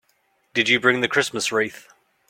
Did you bring the Christmas wreath?